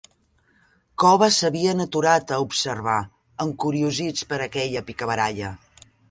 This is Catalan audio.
Cova s'havien aturat a observar, encuriosits per aquella picabaralla.